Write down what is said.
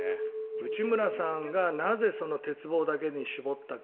内村さんがなぜ、鉄棒だけに絞ったか。